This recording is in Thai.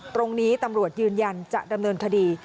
ตรงนี้ตำรวจยืนยันจะดำเนินคดี